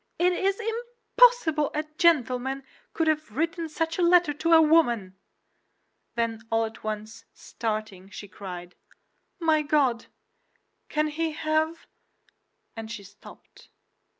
"It is impossible a gentleman could have written such a letter to a woman." Then all at once, starting, she cried, "My God! can he have—" and she stopped.